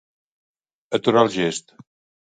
Aturar el gest.